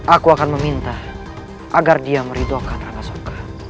aku akan meminta agar dia meridokkan rangasoka